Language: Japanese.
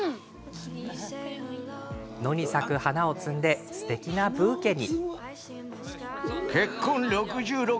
野に咲く花を摘んですてきなブーケに。